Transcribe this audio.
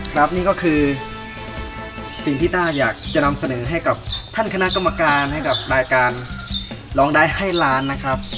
ครับนี่ก็คือสิ่งที่ต้าอยากจะนำเสนอให้กับท่านคณะกรรมการให้กับรายการร้องได้ให้ล้านนะครับ